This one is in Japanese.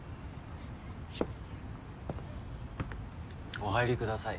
お入りください。